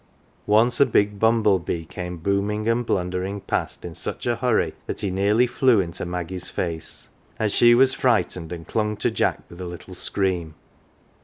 Once a big bumble bee came booming and blundering past in such a hurry that he 204 LITTLE PAUPERS nearly flew into Maggie's face ; and she was frightened and clung to Jack with a little scream.